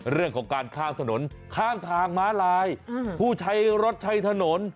เรื่องของการข้ามถนนข้ามทางม้าลายผู้ใช้รถใช้ถนน